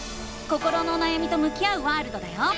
心のおなやみと向き合うワールドだよ！